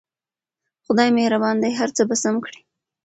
خدای مهربان دی هر څه به سم کړي